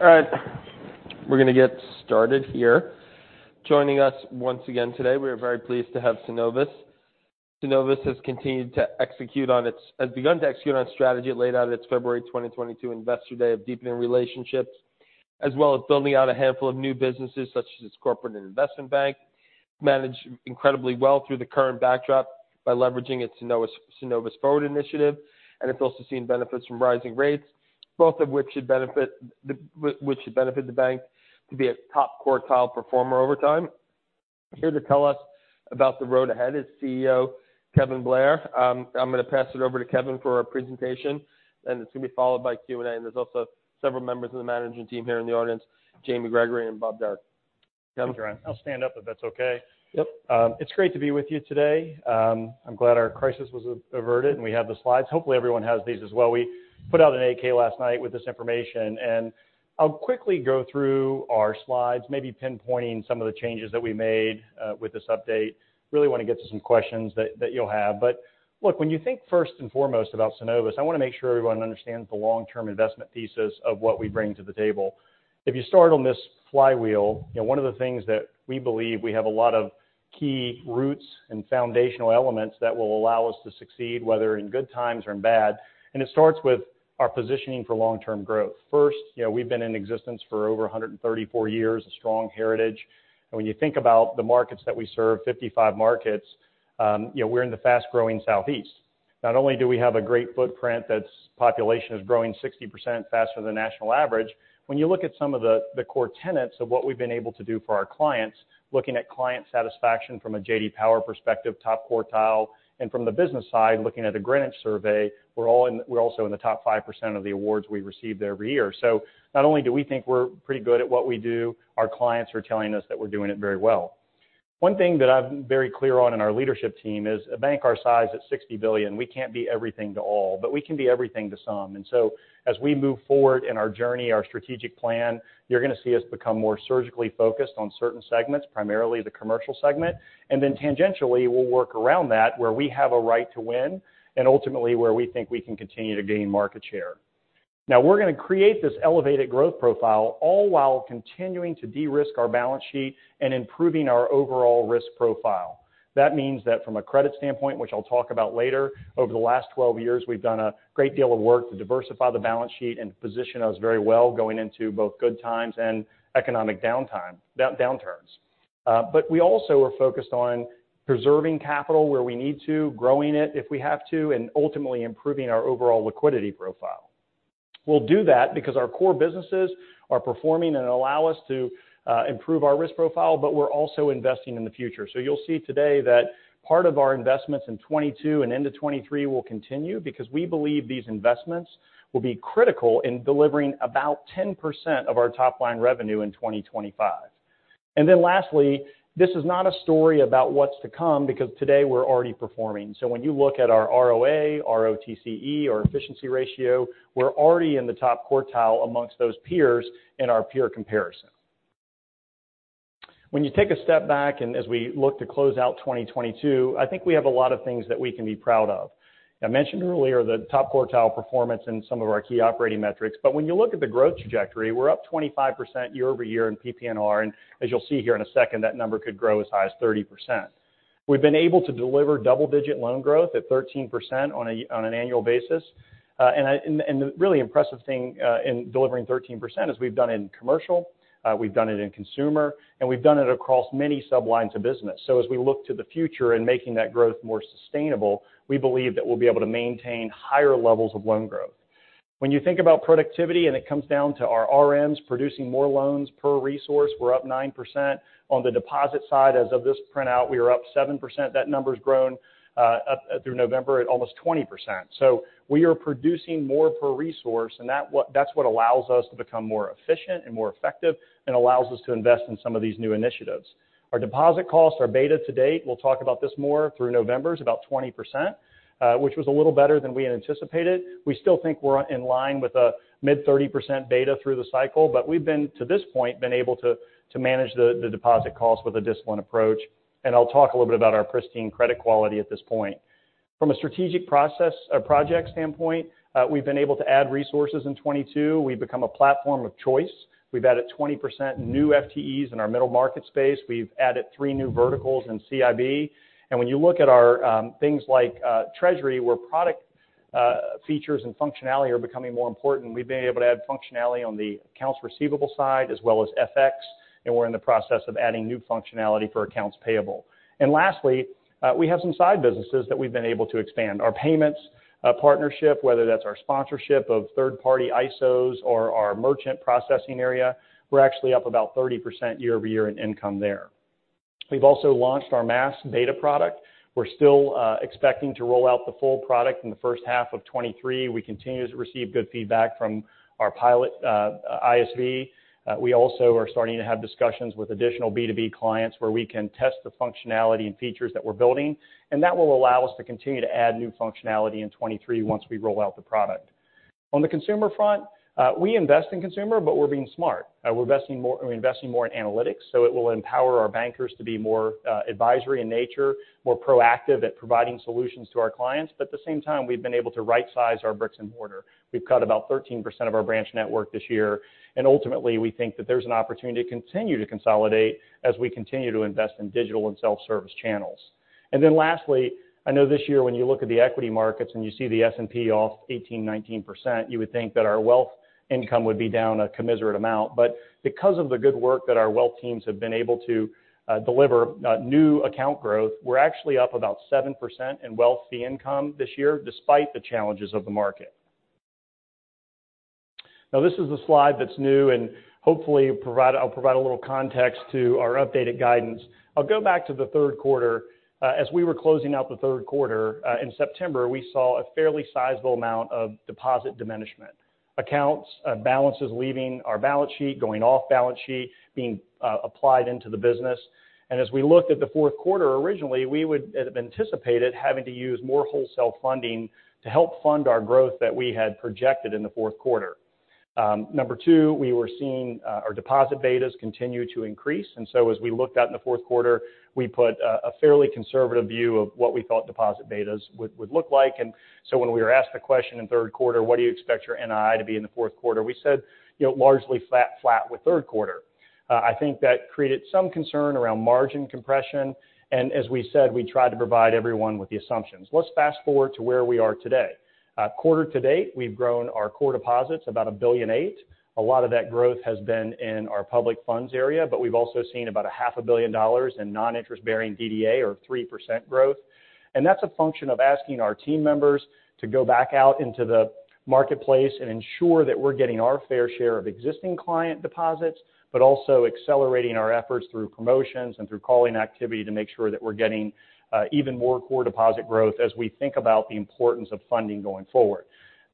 All right. We're gonna get started here. Joining us once again today, we are very pleased to have Synovus. Synovus has begun to execute on strategy laid out at its February 2022 Investor Day of deepening relationships, as well as building out a handful of new businesses such as its corporate and investment bank, managed incredibly well through the current backdrop by leveraging its Synovus Forward initiative, and it's also seeing benefits from rising rates, both of which should benefit the bank to be a top quartile performer over time. Here to tell us about the road ahead is CEO Kevin Blair. I'm gonna pass it over to Kevin for our presentation, and it's gonna be followed by Q and A. There's also several members of the management team here in the audience, Jamie Gregory and Bob Derrick. Kevin. Thank you, Ryan. I'll stand up if that's okay. Yep. It's great to be with you today. I'm glad our crisis was averted, and we have the slides. Hopefully, everyone has these as well. We put out an 8-K last night with this information, and I'll quickly go through our slides, maybe pinpointing some of the changes that we made with this update. Really wanna get to some questions that you'll have. Look, when you think first and foremost about Synovus, I wanna make sure everyone understands the long-term investment pieces of what we bring to the table. If you start on this flywheel, you know, one of the things that we believe we have a lot of key routes and foundational elements that will allow us to succeed, whether in good times or in bad, and it starts with our positioning for long-term growth. First, you know, we've been in existence for over 134 years, a strong heritage. When you think about the markets that we serve, 55 markets, you know, we're in the fast-growing Southeast. Not only do we have a great footprint that's population is growing 60% faster than national average, when you look at some of the core tenets of what we've been able to do for our clients, looking at client satisfaction from a J.D. Power perspective, top quartile, and from the business side, looking at a Greenwich survey, we're also in the top 5% of the awards we've received every year. Not only do we think we're pretty good at what we do, our clients are telling us that we're doing it very well. One thing that I'm very clear on in our leadership team is a bank our size at $60 billion, we can't be everything to all, but we can be everything to some. As we move forward in our journey, our strategic plan, you're gonna see us become more surgically focused on certain segments, primarily the commercial segment. Then tangentially, we'll work around that where we have a right to win and ultimately where we think we can continue to gain market share. Now we're gonna create this elevated growth profile all while continuing to de-risk our balance sheet and improving our overall risk profile. That means that from a credit standpoint, which I'll talk about later, over the last 12 years, we've done a great deal of work to diversify the balance sheet and position us very well going into both good times and economic downturns. We also are focused on preserving capital where we need to, growing it if we have to, and ultimately improving our overall liquidity profile. We'll do that because our core businesses are performing and allow us to improve our risk profile, but we're also investing in the future. You'll see today that part of our investments in 22 and into 23 will continue because we believe these investments will be critical in delivering about 10% of our top-line revenue in 2025. Lastly, this is not a story about what's to come because today we're already performing. When you look at our ROA, ROTCE or efficiency ratio, we're already in the top quartile amongst those peers in our peer comparison. When you take a step back and as we look to close out 2022, I think we have a lot of things that we can be proud of. I mentioned earlier the top quartile performance in some of our key operating metrics, when you look at the growth trajectory, we're up 25% year-over-year in PPNR. As you'll see here in a second, that number could grow as high as 30%. We've been able to deliver double-digit loan growth at 13% on an annual basis. The really impressive thing in delivering 13% is we've done it in commercial, we've done it in consumer, and we've done it across many sub-lines of business. As we look to the future in making that growth more sustainable, we believe that we'll be able to maintain higher levels of loan growth. When you think about productivity, and it comes down to our RMs producing more loans per resource, we're up 9%. On the deposit side, as of this printout, we are up 7%. That number's grown through November at almost 20%. We are producing more per resource, and that's what allows us to become more efficient and more effective and allows us to invest in some of these new initiatives. Our deposit costs are beta to date. We'll talk about this more through November, is about 20%, which was a little better than we had anticipated. We still think we're in line with a mid 30% beta through the cycle, but we've been, to this point, able to manage the deposit costs with a disciplined approach. I'll talk a little bit about our pristine credit quality at this point. From a strategic process or project standpoint, we've been able to add resources in 2022. We've become a platform of choice. We've added 20% new FTEs in our middle market space. We've added three new verticals in CIB. When you look at our things like treasury, where product features and functionality are becoming more important, we've been able to add functionality on the accounts receivable side as well as FX, and we're in the process of adding new functionality for accounts payable. Lastly, we have some side businesses that we've been able to expand. Our payments partnership, whether that's our sponsorship of third-party ISOs or our merchant processing area, we're actually up about 30% year-over-year in income there. We've also launched our Maast beta product. We're still expecting to roll out the full product in the first half of 2023. We continue to receive good feedback from our pilot ISV. We also are starting to have discussions with additional B2B clients where we can test the functionality and features that we're building, and that will allow us to continue to add new functionality in 2023 once we roll out the product. On the consumer front, we invest in consumer, we're being smart. We're investing more in analytics, it will empower our bankers to be more advisory in nature, more proactive at providing solutions to our clients. At the same time, we've been able to rightsize our bricks and mortar. We've cut about 13% of our branch network this year, ultimately, we think that there's an opportunity to continue to consolidate as we continue to invest in digital and self-service channels. Lastly, I know this year, when you look at the equity markets and you see the S&P off 18%, 19%, you would think that our wealth income would be down a commiserate amount. Because of the good work that our wealth teams have been able to deliver new account growth, we're actually up about 7% in wealth fee income this year despite the challenges of the market. This is a slide that's new and hopefully I'll provide a little context to our updated guidance. I'll go back to the third quarter. As we were closing out the third quarter in September, we saw a fairly sizable amount of deposit diminishment. Accounts, balances leaving our balance sheet, going off balance sheet, being applied into the business. As we looked at the fourth quarter, originally, we had anticipated having to use more wholesale funding to help fund our growth that we had projected in the fourth quarter. Number two, we were seeing our deposit betas continue to increase. As we looked out in the fourth quarter, we put a fairly conservative view of what we thought deposit betas would look like. When we were asked the question in third quarter, what do you expect your NII to be in the fourth quarter? We said, you know, largely flat with third quarter. I think that created some concern around margin compression, and as we said, we tried to provide everyone with the assumptions. Let's fast-forward to where we are today. Quarter to date, we've grown our core deposits about $1.8 billion. A lot of that growth has been in our public funds area, but we've also seen about a half a billion dollars in non-interest-bearing DDA or 3% growth. That's a function of asking our team members to go back out into the marketplace and ensure that we're getting our fair share of existing client deposits, but also accelerating our efforts through promotions and through calling activity to make sure that we're getting even more core deposit growth as we think about the importance of funding going forward.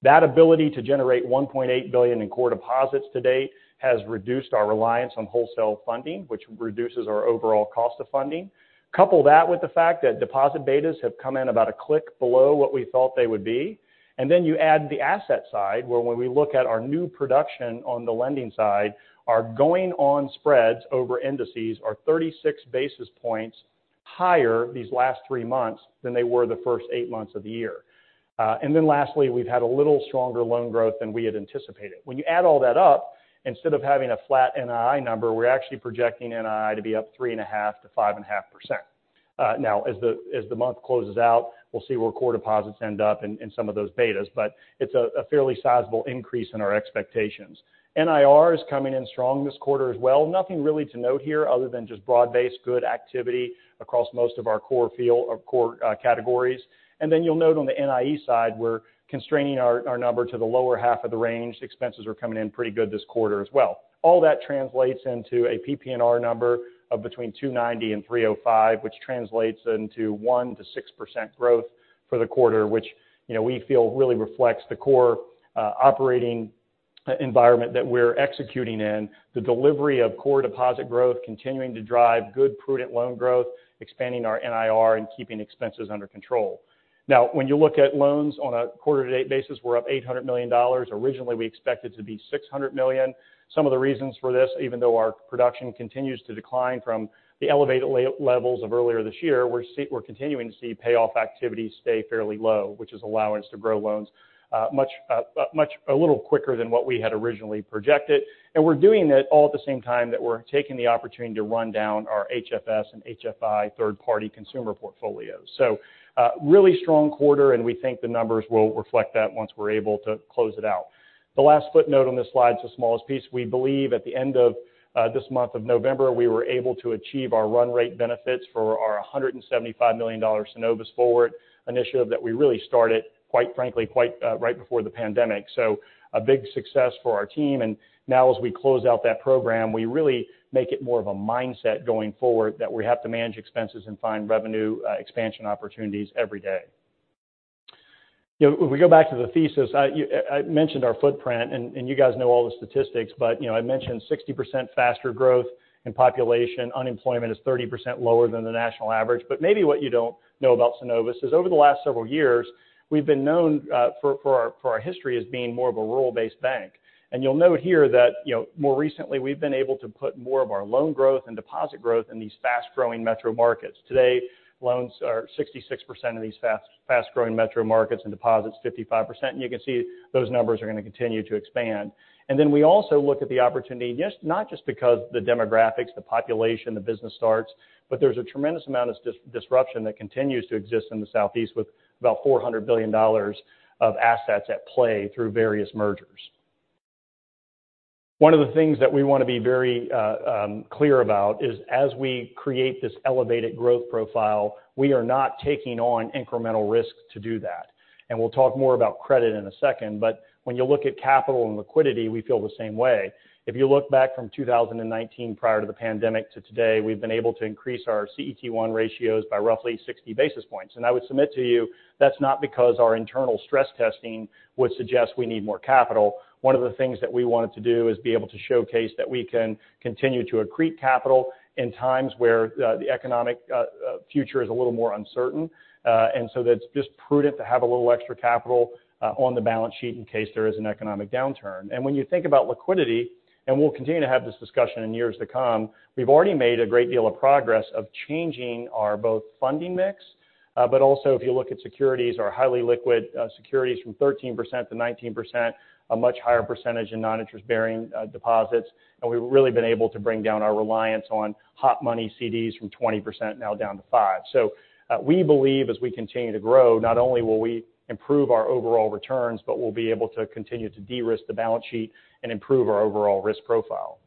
That ability to generate $1.8 billion in core deposits to date has reduced our reliance on wholesale funding, which reduces our overall cost of funding. Couple that with the fact that deposit betas have come in about a click below what we thought they would be. You add the asset side, where when we look at our new production on the lending side, our going-on spreads over indices are 36 basis points higher these last three months than they were the first eight months of the year. Lastly, we've had a little stronger loan growth than we had anticipated. When you add all that up, instead of having a flat NII number, we're actually projecting NII to be up 3.5%-5.5%. Now as the, as the month closes out, we'll see where core deposits end up in some of those betas, but it's a fairly sizable increase in our expectations. NIR is coming in strong this quarter as well. Nothing really to note here other than just broad-based good activity across most of our core field or core categories. You'll note on the NIE side, we're constraining our number to the lower half of the range. Expenses are coming in pretty good this quarter as well. All that translates into a PPNR number of between $290 and $305, which translates into 1%-6% growth for the quarter, which, you know, we feel really reflects the core operating environment that we're executing in, the delivery of core deposit growth continuing to drive good prudent loan growth, expanding our NIR and keeping expenses under control. When you look at loans on a quarter to date basis, we're up $800 million. Originally, we expected to be $600 million. Some of the reasons for this, even though our production continues to decline from the elevated levels of earlier this year, we're continuing to see payoff activity stay fairly low, which is allowing us to grow loans much, a little quicker than what we had originally projected. We're doing it all at the same time that we're taking the opportunity to run down our HFS and HFI third-party consumer portfolios. Really strong quarter, and we think the numbers will reflect that once we're able to close it out. The last footnote on this slide is the smallest piece. We believe at the end of this month of November, we were able to achieve our run rate benefits for our $175 million Synovus Forward initiative that we really started, quite frankly, quite right before the pandemic. A big success for our team. Now as we close out that program, we really make it more of a mindset going forward that we have to manage expenses and find revenue, expansion opportunities every day. You know, if we go back to the thesis, I mentioned our footprint and, you guys know all the statistics, you know, I mentioned 60% faster growth in population. Unemployment is 30% lower than the national average. Maybe what you don't know about Synovus is over the last several years, we've been known for our history as being more of a rural-based bank. You'll note here that, you know, more recently, we've been able to put more of a loan growth and deposit growth in these fast-growing metro markets. Today, loans are 66% of these fast-growing metro markets and deposits 55%. You can see those numbers are gonna continue to expand. We also look at the opportunity, yes, not just because the demographics, the population, the business starts, but there's a tremendous amount of disruption that continues to exist in the Southeast with about $400 billion of assets at play through various mergers. One of the things that we wanna be very clear about is as we create this elevated growth profile, we are not taking on incremental risk to do that. We'll talk more about credit in a second. When you look at capital and liquidity, we feel the same way. If you look back from 2019 prior to the pandemic to today, we've been able to increase our CET1 ratios by roughly 60 basis points. I would submit to you, that's not because our internal stress testing would suggest we need more capital. One of the things that we wanted to do is be able to showcase that we can continue to accrete capital in times where the economic future is a little more uncertain. So that it's just prudent to have a little extra capital on the balance sheet in case there is an economic downturn. When you think about liquidity, and we'll continue to have this discussion in years to come, we've already made a great deal of progress of changing our both funding mix, but also if you look at securities or highly liquid securities from 13% to 19%, a much higher percentage in non-interest-bearing deposits. We've really been able to bring down our reliance on hot money CDs from 20% now down to 5%. We believe as we continue to grow, not only will we improve our overall returns, but we'll be able to continue to de-risk the balance sheet and improve our overall risk profile.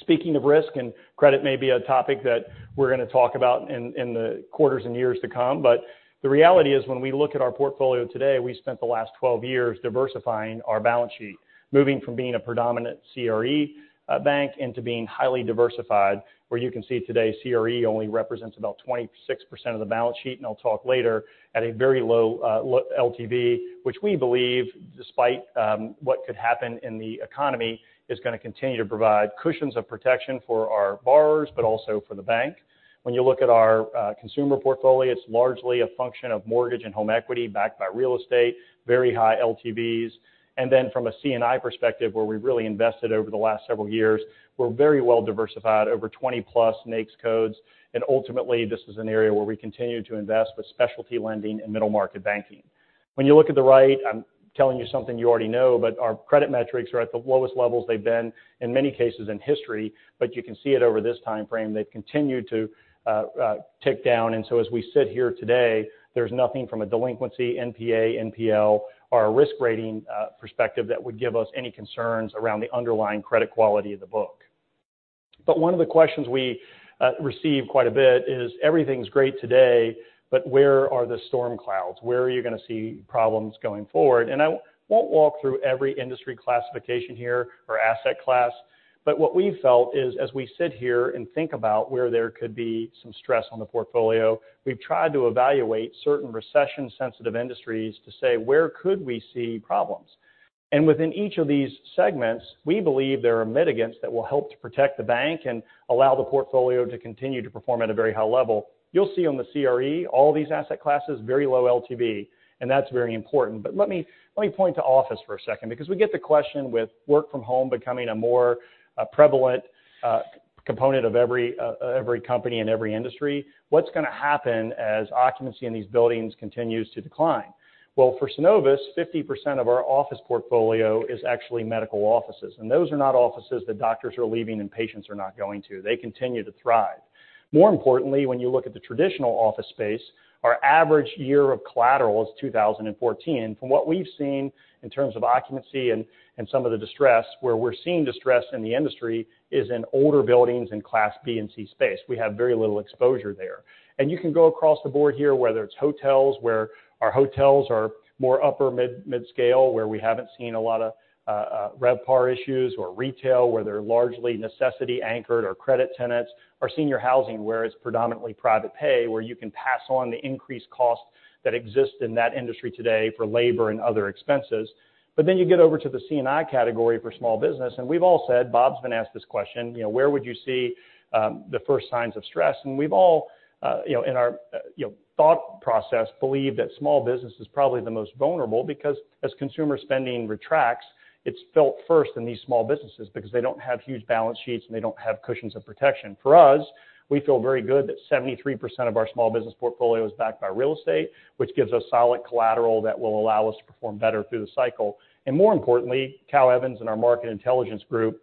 Speaking of risk, credit may be a topic that we're gonna talk about in the quarters and years to come, the reality is when we look at our portfolio today, we spent the last 12 years diversifying our balance sheet, moving from being a predominant CRE bank into being highly diversified, where you can see today CRE only represents about 26% of the balance sheet, and I'll talk later at a very low LTV, which we believe despite what could happen in the economy, is gonna continue to provide cushions of protection for our borrowers but also for the bank. When you look at our consumer portfolio, it's largely a function of mortgage and home equity backed by real estate, very high LTVs. Then from a C&I perspective, where we've really invested over the last several years, we're very well diversified over 20+ NAICS codes. Ultimately, this is an area where we continue to invest with specialty lending and middle-market banking. When you look at the right, I'm telling you something you already know, but our credit metrics are at the lowest levels they've been in many cases in history, but you can see it over this timeframe. They've continued to tick down. So as we sit here today, there's nothing from a delinquency, NPA, NPL or a risk rating perspective that would give us any concerns around the underlying credit quality of the book. One of the questions we receive quite a bit is, everything's great today, but where are the storm clouds? Where are you gonna see problems going forward? I won't walk through every industry classification here or asset class, but what we felt is, as we sit here and think about where there could be some stress on the portfolio, we've tried to evaluate certain recession-sensitive industries to say, "Where could we see problems?" Within each of these segments, we believe there are mitigants that will help to protect the bank and allow the portfolio to continue to perform at a very high level. You'll see on the CRE, all these asset classes, very low LTV, and that's very important. Let me point to office for a second because we get the question with work from home becoming a more prevalent component of every company and every industry. What's gonna happen as occupancy in these buildings continues to decline? Well, for Synovus, 50% of our office portfolio is actually medical offices, and those are not offices that doctors are leaving and patients are not going to. They continue to thrive. More importantly, when you look at the traditional office space, our average year of collateral is 2014. From what we've seen in terms of occupancy and some of the distress, where we're seeing distress in the industry is in older buildings in Class B and C space. We have very little exposure there. You can go across the board here, whether it's hotels where our hotels are more upper mid-scale, where we haven't seen a lot of RevPAR issues or retail, where they're largely necessity anchored or credit tenants or senior housing, where it's predominantly private pay, where you can pass on the increased cost that exists in that industry today for labor and other expenses. You get over to the C&I category for small business, we've all said, Bob's been asked this question, you know, "Where would you see the first signs of stress?" We've all, you know, in our, you know, thought process believe that small business is probably the most vulnerable because as consumer spending retracts, it's felt first in these small businesses because they don't have huge balance sheets, and they don't have cushions of protection. For us, we feel very good that 73% of our small business portfolio is backed by real estate, which gives us solid collateral that will allow us to perform better through the cycle. More importantly, Cal Evans in our market intelligence group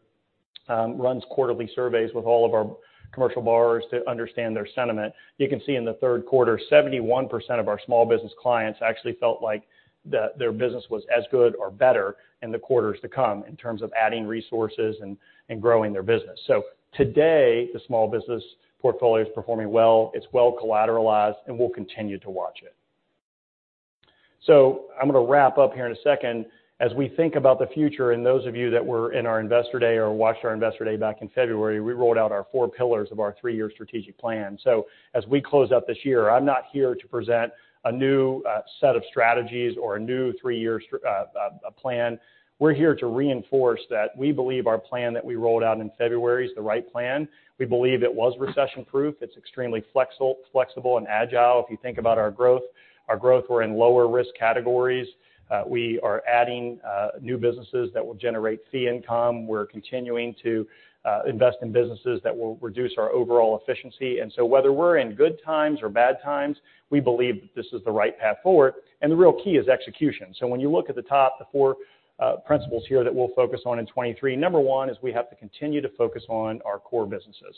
runs quarterly surveys with all of our commercial borrowers to understand their sentiment. You can see in the third quarter, 71% of our small business clients actually felt like their business was as good or better in the quarters to come in terms of adding resources and growing their business. Today, the small business portfolio is performing well. It's well collateralized, and we'll continue to watch it. I'm gonna wrap up here in a second. As we think about the future and those of you that were in our investor day or watched our investor day back in February, we rolled out our four pillars of our three-year strategic plan. As we close out this year, I'm not here to present a new set of strategies or a new three-year plan. We're here to reinforce that we believe our plan that we rolled out in February is the right plan. We believe it was recession-proof. It's extremely flexible and agile. If you think about our growth, we're in lower risk categories. We are adding new businesses that will generate fee income. We're continuing to invest in businesses that will reduce our overall efficiency. Whether we're in good times or bad times, we believe this is the right path forward, and the real key is execution. When you look at the top, the four principles here that we'll focus on in 2023, number one is we have to continue to focus on our core businesses.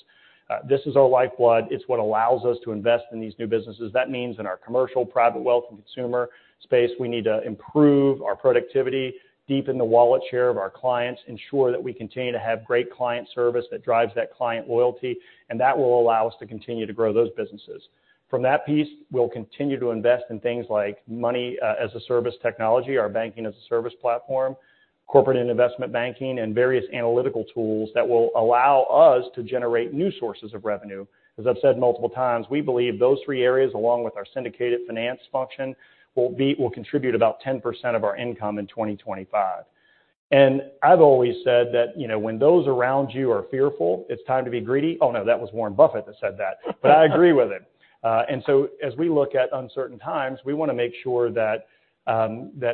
This is our lifeblood. It's what allows us to invest in these new businesses. That means in our commercial, private wealth, and consumer space, we need to improve our productivity, deepen the wallet share of our clients, ensure that we continue to have great client service that drives that client loyalty, and that will allow us to continue to grow those businesses. From that piece, we'll continue to invest in things like Money as a Service technology, our Banking-as-a-Service platform, Corporate and Investment Banking, and various analytical tools that will allow us to generate new sources of revenue. As I've said multiple times, we believe those three areas, along with our syndicated finance function, will contribute about 10% of our income in 2025. I've always said that, you know, when those around you are fearful, it's time to be greedy. Oh, no, that was Warren Buffett that said that. I agree with it. As we look at uncertain times, we wanna make sure that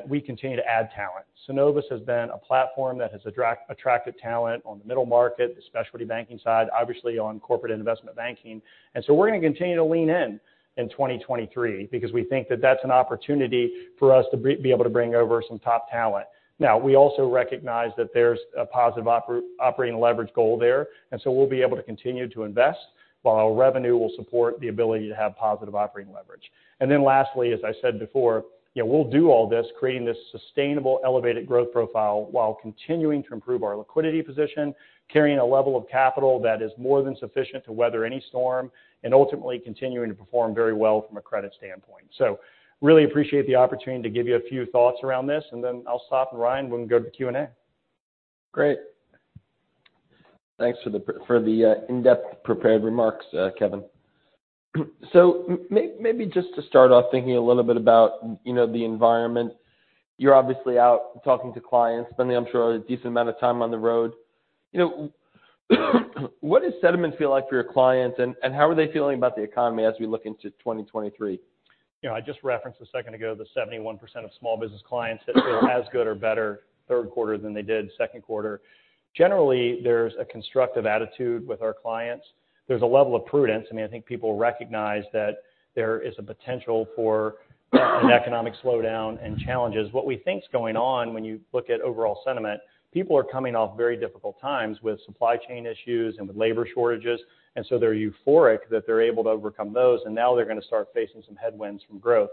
we continue to add talent. Synovus has been a platform that has attracted talent on the middle market, the specialty banking side, obviously on Corporate Investment Banking. We're gonna continue to lean in in 2023 because we think that that's an opportunity for us to be able to bring over some top talent. Now, we also recognize that there's a positive operating leverage goal there, and so we'll be able to continue to invest while revenue will support the ability to have positive operating leverage. Lastly, as I said before, you know, we'll do all this, creating this sustainable elevated growth profile while continuing to improve our liquidity position, carrying a level of capital that is more than sufficient to weather any storm, and ultimately continuing to perform very well from a credit standpoint. Really appreciate the opportunity to give you a few thoughts around this, and then I'll stop, and Ryan, we can go to Q and A. Great. Thanks for the in-depth prepared remarks, Kevin. Maybe just to start off thinking a little bit about, you know, the environment. You're obviously out talking to clients, spending, I'm sure, a decent amount of time on the road. You know, what does sentiment feel like for your clients, and how are they feeling about the economy as we look into 2023? You know, I just referenced a second ago the 71% of small business clients that feel as good or better third quarter than they did second quarter. Generally, there's a constructive attitude with our clients. There's a level of prudence. I mean, I think people recognize that there is a potential for an economic slowdown and challenges. What we think is going on when you look at overall sentiment, people are coming off very difficult times with supply chain issues and with labor shortages, and so they're euphoric that they're able to overcome those, and now they're gonna start facing some headwinds from growth.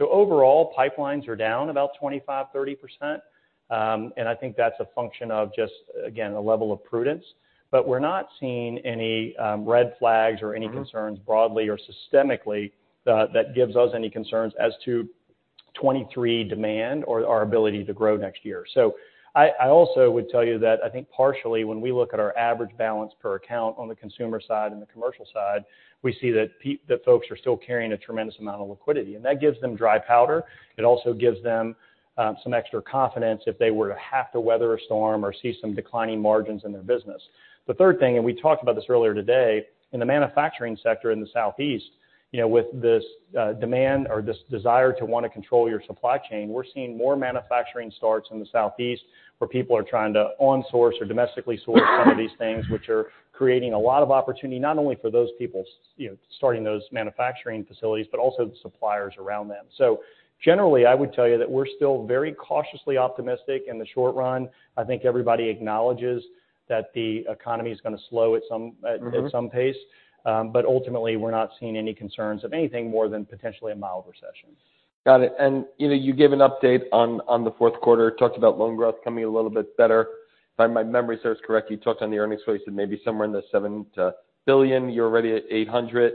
Overall, pipelines are down about 25%-30%. And I think that's a function of just, again, a level of prudence. We're not seeing any red flags or any concerns broadly or systemically that gives us any concerns as to 2023 demand or our ability to grow next year. I also would tell you that I think partially when we look at our average balance per account on the consumer side and the commercial side, we see that folks are still carrying a tremendous amount of liquidity. That gives them dry powder. It also gives them some extra confidence if they were to have to weather a storm or see some declining margins in their business. The third thing, and we talked about this earlier today, in the manufacturing sector in the Southeast, you know, with this demand or this desire to wanna control your supply chain, we're seeing more manufacturing starts in the Southeast, where people are trying to on source or domestically source some of these things, which are creating a lot of opportunity, not only for those people you know, starting those manufacturing facilities, but also the suppliers around them. Generally, I would tell you that we're still very cautiously optimistic in the short run. I think everybody acknowledges that the economy is gonna slow at some pace. Ultimately, we're not seeing any concerns of anything more than potentially a mild recession. Got it. you know, you gave an update on the fourth quarter. Talked about loan growth coming a little bit better. If my memory serves correct, you touched on the earnings release and maybe somewhere in the $7 billion, you're already at 800,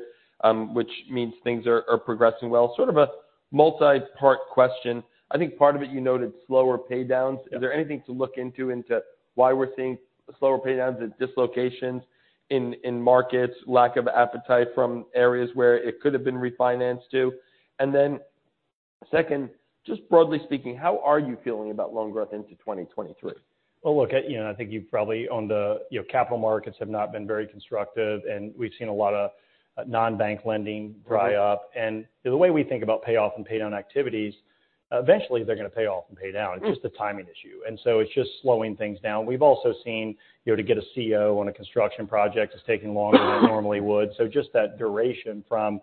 which means things are progressing well. Sort of a multi-part question. I think part of it you noted slower pay downs. Yeah. Is there anything to look into why we're seeing slower pay downs and dislocations in markets, lack of appetite from areas where it could have been refinanced to? Second, just broadly speaking, how are you feeling about loan growth into 2023? Well, look, you know, I think you've probably. On the, you know, capital markets have not been very constructive, and we've seen a lot of non-bank lending dry up. The way we think about payoff and pay down activities, eventually they're gonna pay off and pay down. It's just a timing issue. It's just slowing things down. We've also seen, you know, to get a CO on a construction project is taking longer than it normally would. Just that duration from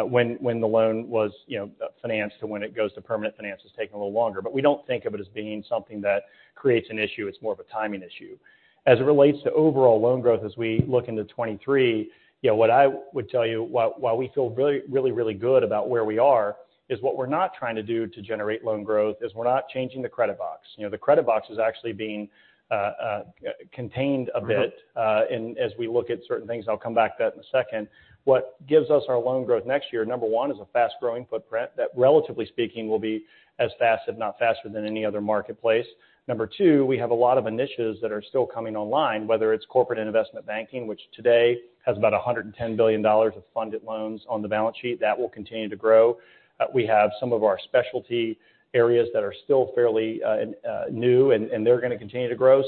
when the loan was, you know, financed to when it goes to permanent finance is taking a little longer. We don't think of it as being something that creates an issue. It's more of a timing issue. As it relates to overall loan growth as we look into 2023, you know, what I would tell you, while we feel really good about where we are, is what we're not trying to do to generate loan growth is we're not changing the credit box. You know, the credit box is actually being contained a bit in as we look at certain things. I'll come back to that in a second. What gives us our loan growth next year, number one, is a fast-growing footprint that relatively speaking will be as fast if not faster than any other marketplace. Number two, we have a lot of initiatives that are still coming online, whether it's Corporate Investment Banking, which today has about $110 billion of funded loans on the balance sheet. That will continue to grow. We have some of our specialty areas that are still fairly new and they're gonna continue to grow.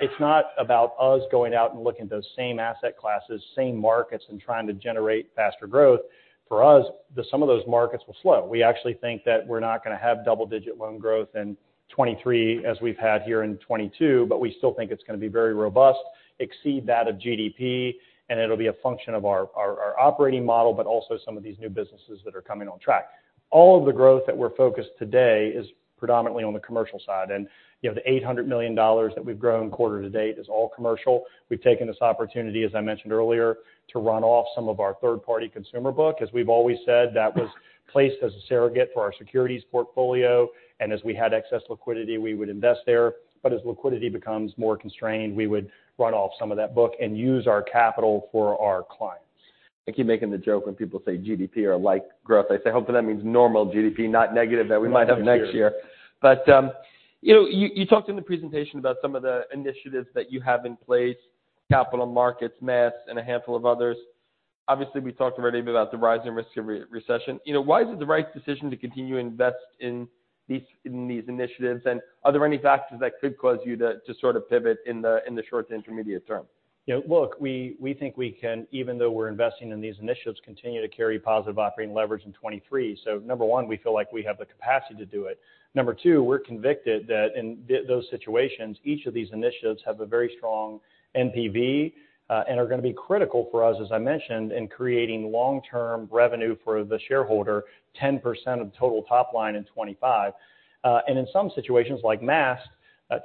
It's not about us going out and looking at those same asset classes, same markets, and trying to generate faster growth. For us, the sum of those markets will slow. We actually think that we're not gonna have double-digit loan growth in 2023 as we've had here in 2022, but we still think it's gonna be very robust, exceed that of GDP, and it'll be a function of our operating model, but also some of these new businesses that are coming on track. All of the growth that we're focused today is predominantly on the commercial side. You know, the $800 million that we've grown quarter to date is all commercial. We've taken this opportunity, as I mentioned earlier, to run off some of our third-party consumer book. As we've always said, that was placed as a surrogate for our securities portfolio, and as we had excess liquidity, we would invest there. As liquidity becomes more constrained, we would run off some of that book and use our capital for our clients. I keep making the joke when people say GDP or like growth. I say, "Hopefully that means normal GDP, not negative that we might have next year." You know, you talked in the presentation about some of the initiatives that you have in place, capital markets, Maast, and a handful of others. Obviously, we talked already about the rising risk of recession. You know, why is it the right decision to continue to invest in these, in these initiatives? Are there any factors that could cause you to sort of pivot in the, in the short to intermediate term? Yeah. Look, we think we can, even though we're investing in these initiatives, continue to carry positive operating leverage in 2023. Number one, we feel like we have the capacity to do it. Number two, we're convicted that in those situations, each of these initiatives have a very strong NPV and are gonna be critical for us, as I mentioned, in creating long-term revenue for the shareholder, 10% of total top line in 2025. In some situations like MAS,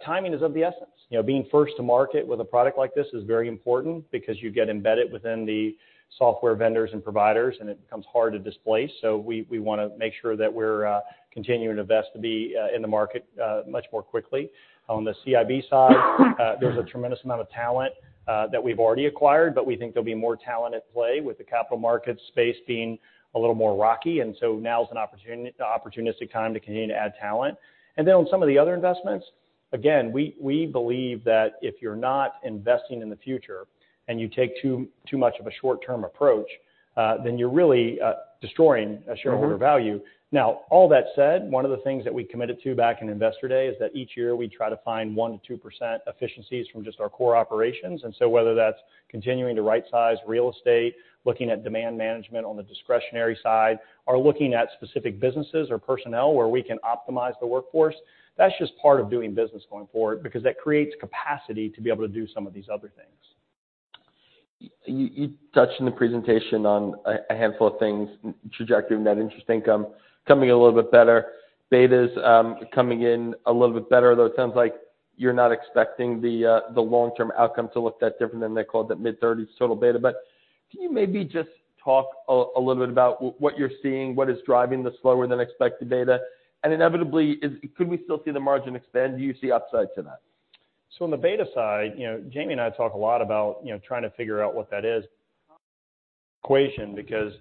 timing is of the essence. You know, being first to market with a product like this is very important because you get embedded within the software vendors and providers, and it becomes hard to displace. We wanna make sure that we're continuing to invest to be in the market much more quickly. On the CIB side, there's a tremendous amount of talent that we've already acquired, but we think there'll be more talent at play with the capital markets space being a little more rocky. Now is an opportunistic time to continue to add talent. On some of the other investments, again, we believe that if you're not investing in the future and you take too much of a short-term approach, then you're really destroying a shareholder value. All that said, one of the things that we committed to back in Investor Day is that each year we try to find 1% to 2% efficiencies from just our core operations. Whether that's continuing to right-size real estate, looking at demand management on the discretionary side, or looking at specific businesses or personnel where we can optimize the workforce, that's just part of doing business going forward because that creates capacity to be able to do some of these other things. You touched in the presentation on a handful of things, trajectory of net interest income coming in a little bit better. Betas, coming in a little bit better, though it sounds like you're not expecting the long-term outcome to look that different than they called that mid-30s total beta. Can you maybe just talk a little bit about what you're seeing, what is driving the slower than expected beta? Inevitably, could we still see the margin expand? Do you see upside to that? On the beta side, you know, Jamie and I talk a lot about, you know, trying to figure out what that is equation because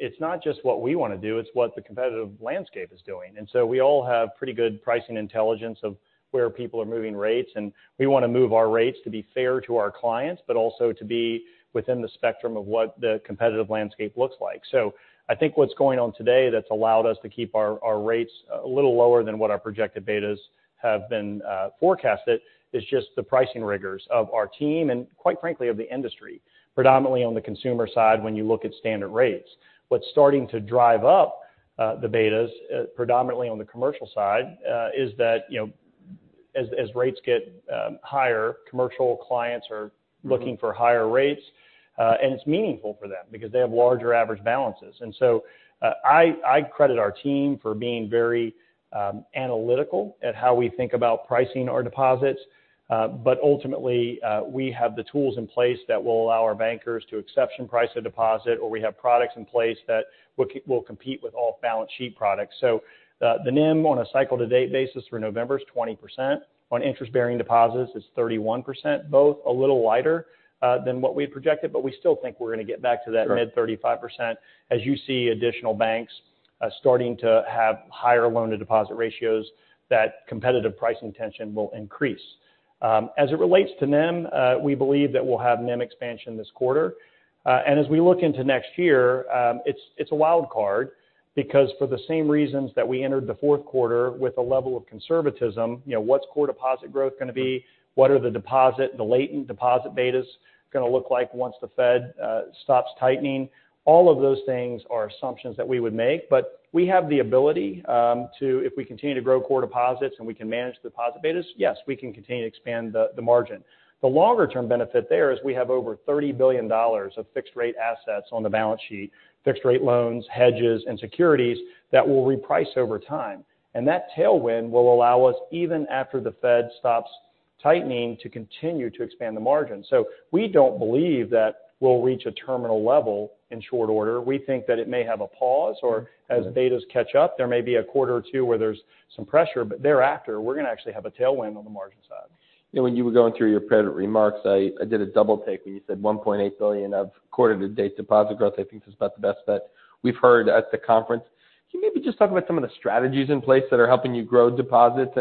it's not just what we wanna do, it's what the competitive landscape is doing. We all have pretty good pricing intelligence of where people are moving rates, and we wanna move our rates to be fair to our clients, but also to be within the spectrum of what the competitive landscape looks like. I think what's going on today that's allowed us to keep our rates a little lower than what our projected betas have been forecasted is just the pricing rigors of our team and quite frankly, of the industry, predominantly on the consumer side when you look at standard rates. What's starting to drive up the betas predominantly on the commercial side is that, you know, as rates get higher, commercial clients are looking for higher rates. It's meaningful for them because they have larger average balances. I credit our team for being very analytical at how we think about pricing our deposits. But ultimately, we have the tools in place that will allow our bankers to exception price a deposit, or we have products in place that will compete with off-balance sheet products. The NIM on a cycle to date basis for November is 20%. On interest-bearing deposits, it's 31%, both a little lighter than what we projected, but we still think we're gonna get back to that mid-35%. As you see additional banks starting to have higher loan to deposit ratios, that competitive pricing tension will increase. As it relates to NIM, we believe that we'll have NIM expansion this quarter. As we look into next year, it's a wild card because for the same reasons that we entered the fourth quarter with a level of conservatism, you know, what's core deposit growth gonna be? What are the latent deposit betas gonna look like once the Fed stops tightening? All of those things are assumptions that we would make, but we have the ability to, if we continue to grow core deposits and we can manage deposit betas, yes, we can continue to expand the margin. The longer term benefit there is we have over $30 billion of fixed rate assets on the balance sheet, fixed rate loans, hedges, and securities that will reprice over time. That tailwind will allow us, even after the Fed stops tightening, to continue to expand the margin. We don't believe that we'll reach a terminal level in short order. We think that it may have a pause or- Okay. as betas catch up, there may be a quarter or two where there's some pressure, but thereafter, we're gonna actually have a tailwind on the margin side. You know, when you were going through your prepared remarks, I did a double take when you said $1.8 billion of quarter to date deposit growth, I think is about the best bet we've heard at the conference. Can you maybe just talk about some of the strategies in place that are helping you grow deposits,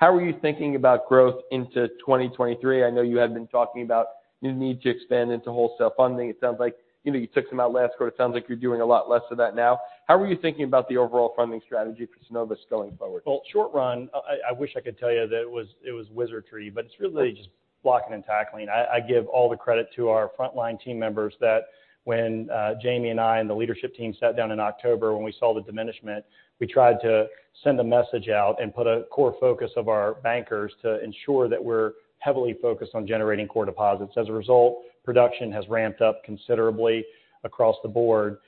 and how are you thinking about growth into 2023? I know you had been talking about you need to expand into wholesale funding. It sounds like, you know, you took some out last quarter. It sounds like you're doing a lot less of that now. How are you thinking about the overall funding strategy for Synovus going forward? Short run, I wish I could tell you that it was wizardry, it's really just blocking and tackling. I give all the credit to our frontline team members that when Jamie and I and the leadership team sat down in October when we saw the diminishment, we tried to send a message out and put a core focus of our bankers to ensure that we're heavily focused on generating core deposits. As a result, production has ramped up considerably across the board.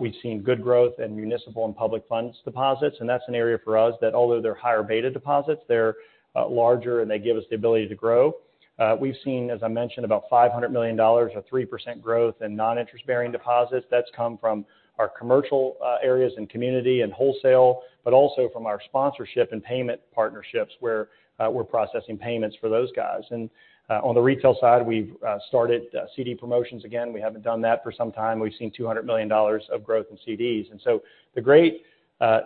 We've seen good growth in municipal and public funds deposits, that's an area for us that although they're higher beta deposits, they're larger and they give us the ability to grow. We've seen, as I mentioned, about $500 million or 3% growth in non-interest-bearing deposits. That's come from our commercial areas and community and wholesale, but also from our sponsorship and payment partnerships, where we're processing payments for those guys. On the retail side, we've started CD promotions again. We haven't done that for some time. We've seen $200 million of growth in CDs. The great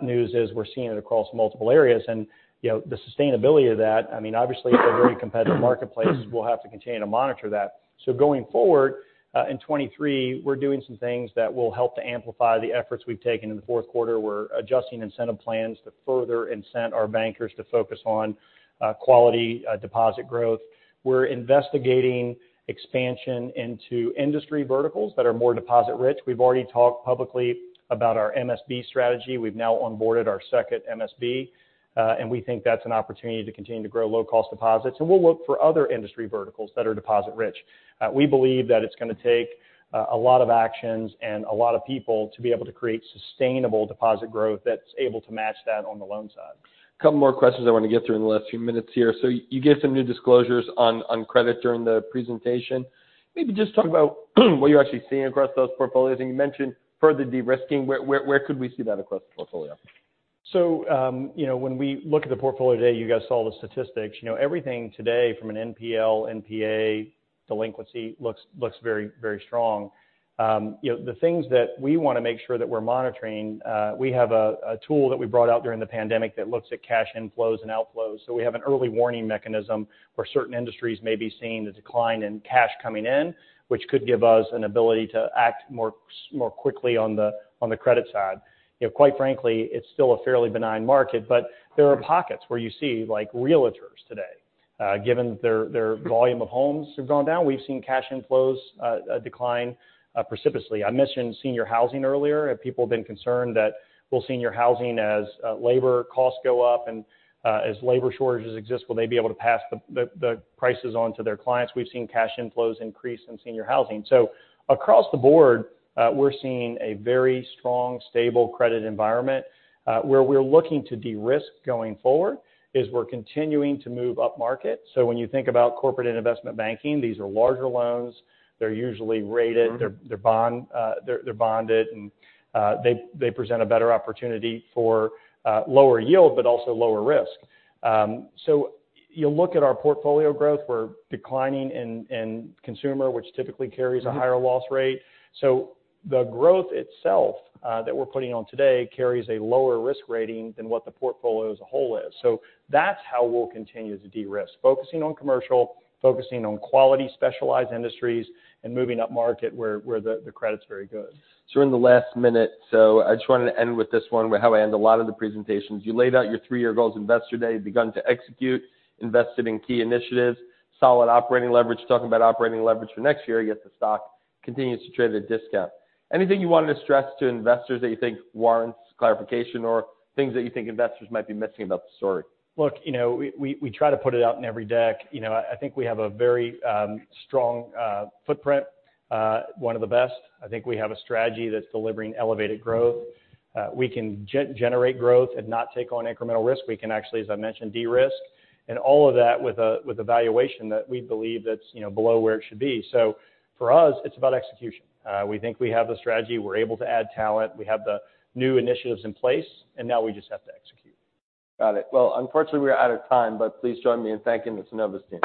news is we're seeing it across multiple areas and, you know, the sustainability of that, I mean, obviously it's a very competitive marketplace. We'll have to continue to monitor that. Going forward, in 2023, we're doing some things that will help to amplify the efforts we've taken in the fourth quarter. We're adjusting incentive plans to further incent our bankers to focus on quality deposit growth. We're investigating expansion into industry verticals that are more deposit rich. We've already talked publicly about our MSB strategy. We've now onboarded our second MSB. We think that's an opportunity to continue to grow low-cost deposits. We'll look for other industry verticals that are deposit rich. We believe that it's gonna take a lot of actions and a lot of people to be able to create sustainable deposit growth that's able to match that on the loan side. A couple more questions I wanna get through in the last few minutes here. You gave some new disclosures on credit during the presentation. Maybe just talk about what you're actually seeing across those portfolios. You mentioned further de-risking. Where could we see that across the portfolio? You know, when we look at the portfolio today, you guys saw the statistics. You know, everything today from an NPL, NPA delinquency looks very strong. You know, the things that we wanna make sure that we're monitoring, we have a tool that we brought out during the pandemic that looks at cash inflows and outflows. We have an early warning mechanism where certain industries may be seeing the decline in cash coming in, which could give us an ability to act more quickly on the credit side. You know, quite frankly, it's still a fairly benign market, but there are pockets where you see, like realtors today, given their volume of homes have gone down. We've seen cash inflows decline precipitously. I mentioned senior housing earlier, people have been concerned that, well, senior housing as labor costs go up and as labor shortages exist, will they be able to pass the prices on to their clients? We've seen cash inflows increase in senior housing. Across the board, we're seeing a very strong, stable credit environment. Where we're looking to de-risk going forward is we're continuing to move upmarket. When you think about corporate and investment banking, these are larger loans. They're usually rated. Mm-hmm. They're bond, they're bonded and they present a better opportunity for lower yield but also lower risk. You look at our portfolio growth, we're declining in consumer, which typically carries-. Mm-hmm. a higher loss rate. The growth itself, that we're putting on today carries a lower risk rating than what the portfolio as a whole is. That's how we'll continue to de-risk, focusing on commercial, focusing on quality specialized industries, and moving upmarket where the credit's very good. We're in the last minute, so I just wanted to end with this one, how I end a lot of the presentations. You laid out your three-year goals, Investor Day begun to execute, invested in key initiatives, solid operating leverage. Talking about operating leverage for next year, yet the stock continues to trade at a discount. Anything you wanted to stress to investors that you think warrants clarification or things that you think investors might be missing about the story? Look, you know, we try to put it out in every deck. You know, I think we have a very strong footprint, one of the best. I think we have a strategy that's delivering elevated growth. We can generate growth and not take on incremental risk. We can actually, as I mentioned, de-risk and all of that with a valuation that we believe that's, you know, below where it should be. For us, it's about execution. We think we have the strategy. We're able to add talent. We have the new initiatives in place, and now we just have to execute. Got it. Well, unfortunately, we're out of time, but please join me in thanking the Synovus team.